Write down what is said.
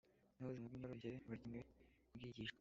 n’ubuzima bw’imyororokere burakenewe kubwigishwa